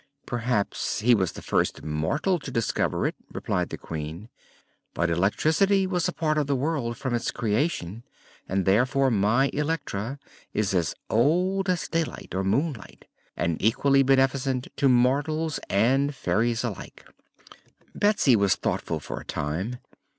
"Perhaps he was the first mortal to discover it," replied the Queen. "But electricity was a part of the world from its creation, and therefore my Electra is as old as Daylight or Moonlight, and equally beneficent to mortals and fairies alike." Betsy was thoughtful for a time.